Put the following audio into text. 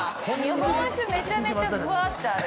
日本酒、めちゃめちゃぶわってある。